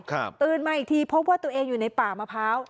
ตื่นมาอีกทีพบว่าตัวเองอยู่ในป่ามะพร้าว